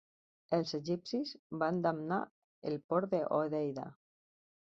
Els egipcis van damnar el port de Hodeida.